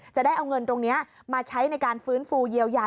จะได้เอาเงินตรงนี้มาใช้ในการฟื้นฟูเยียวยา